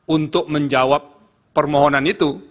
untuk menjawab permohonan itu